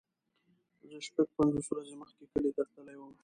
زه شپږ پنځوس ورځې مخکې کلی ته تللی وم.